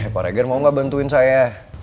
pak regar mau gak bantuin saya